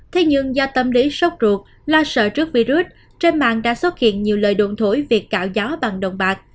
thế nhưng do tâm lý sốc ruột lo sợ trước virus trên mạng đã xuất hiện nhiều lời đồn thổi việc cạo gió bằng động bạc